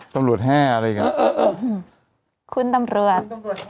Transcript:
กำลัวกแห้อะไรอย่างนั้น